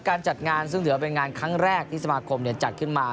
การจัดงานซึ่งถือว่าเป็นงานครั้งแรกที่สมาคมจัดขึ้นมา